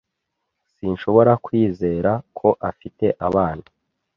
Sinshobora kwizera ko afite abana